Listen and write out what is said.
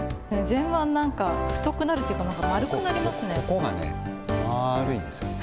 前腕なんか太くなるというか、丸くなりますね。